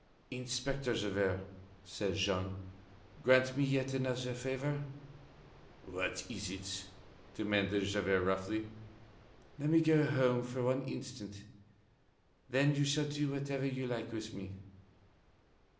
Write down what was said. "Inspector Javert," said Jean, "grant me yet another favor." "What is it?" demanded Javert roughly. "Let me go home for one instant. Then you shall do whatever you like with me."